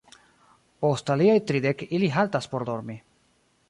Post aliaj tridek ili haltas por dormi.